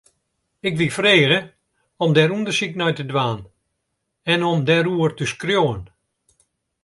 Ik wie frege om dêr ûndersyk nei te dwaan en om dêroer te skriuwen.